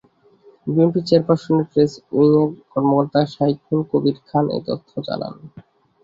বিএনপির চেয়ারপারসনের প্রেস উইংয়ের কর্মকর্তা শায়রুল কবির খান এ তথ্য জানান।